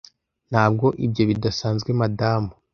ntabwo ibyo bidasanzwe madamu